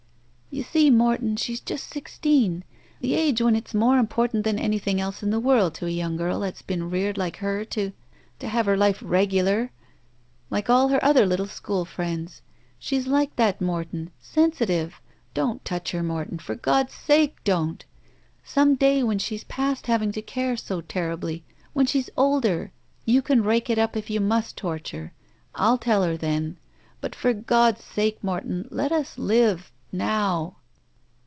"You see, Morton, she's just sixteen. The age when it's more important than anytlung else in the world to a young girl that's been reared like her to — to have her life regular! Like all her other little school friends. She's like that, Morton. Sensitive! Don't touch her, Morton. For God's sake, don't! Someday when she's past having to care so terribly — when she's older — ^you can rake it up if you must torture. I'll tell her then. But for God's sake, Morton, let us live — now!"